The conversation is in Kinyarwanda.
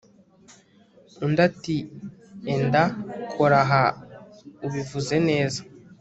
Undi ati Enda kora aha ubivuze neza